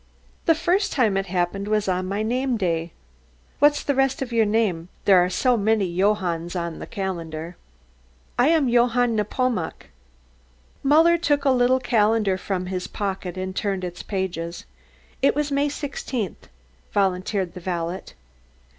"The first time it happened was on my name day." "What's the rest of your name? There are so many Johanns on the calendar." "I am Johann Nepomuk." Muller took a little calendar from his pocket and turned its pages. "It was May sixteenth," volunteered the valet.